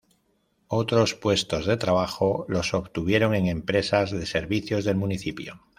Otros puestos de trabajo los obtuvieron en empresas de servicios del municipio.